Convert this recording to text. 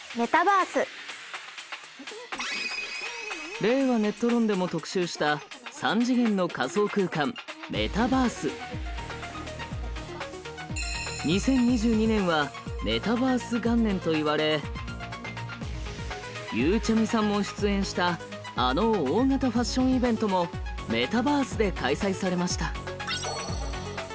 「令和ネット論」でも特集した２０２２年はメタバース元年といわれゆうちゃみさんも出演したあの大型ファッションイベントもメタバースで開催されました。